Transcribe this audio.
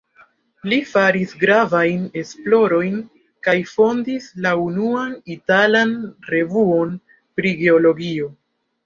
Li faris gravajn esplorojn kaj fondis la unuan italan revuon pri geologio.